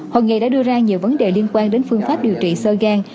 hồi ngày đã đưa ra nhiều vấn đề liên quan đến phương pháp điều trị sơ gan